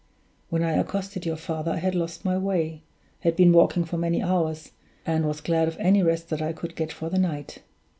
When I accosted your father I had lost my way, had been walking for many hours, and was glad of any rest that I could get for the night.